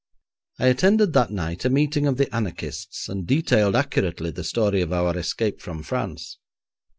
I attended that night a meeting of the anarchists, and detailed accurately the story of our escape from France.